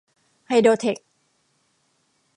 ไฮโดรเท็ค